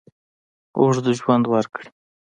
اوږد ژوند ورکړي.